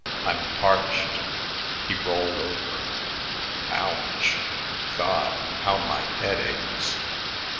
"I'm parched." He rolled over. "Ouch! God, how my head aches!"